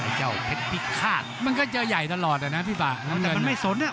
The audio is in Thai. ไอ้เจ้าเพชรพิฆาตมันก็จะใหญ่ตลอดอ่ะนะพี่ปากมันไม่สนอ่ะ